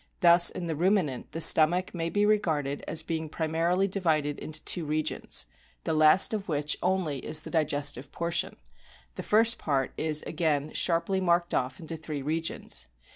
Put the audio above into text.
Thus in the Ruminant the stomach may be regarded as being primarily divided into two regions, the last of which only is the digestive portion ; the first part is again sharply marked off into three regions.